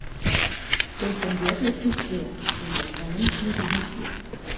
Eltern werden ist nicht schwer, Eltern sein hingegen sehr.